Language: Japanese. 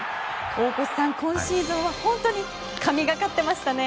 大越さん、今シーズン本当に神がかっていましたね。